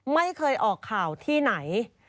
ไม่เคยออกข่าวที่ไหน